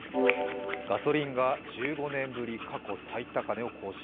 ガソリンが１５年ぶり、過去最高値を更新。